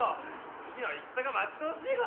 次の戦が待ち遠しいわ！